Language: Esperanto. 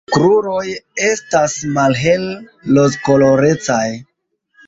La kruroj estas malhele rozkolorecaj.